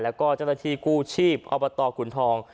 แล้วก็เจ้าหน้าที่กู้ชีพอบตขุนทอง